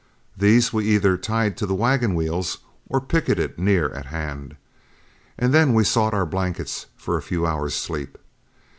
These we either tied to the wagon wheels or picketed near at hand, and then we sought our blankets for a few hours' sleep.